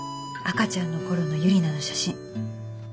赤ちゃんの頃のユリナの写真。